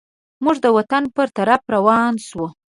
موږ د وطن پر طرف روان سوو.